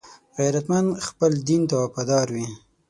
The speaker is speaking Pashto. غیرتمند خپل دین ته وفادار وي